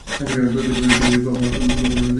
প্রকৃতপক্ষে এটি প্রবহমান কোন নদীর পরিত্যক্ত খাত।